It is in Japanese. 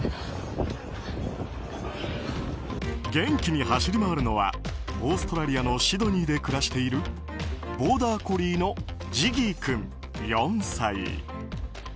元気に走り回るのはオーストラリアのシドニーで暮らしているボーダーコリーのジギー君、４歳。